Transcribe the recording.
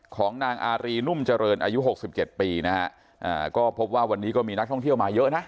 ของนางอารีนุ่มเจริญอายุหกสิบเจ็ดปีนะฮะอ่าก็พบว่าวันนี้ก็มีนักท่องเที่ยวมาเยอะนะ